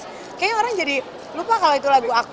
kayaknya orang jadi lupa kalau itu lagu aku